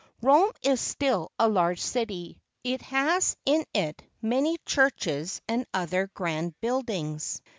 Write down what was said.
Rome is still a large city. It has in it many churches, and other grand buildings.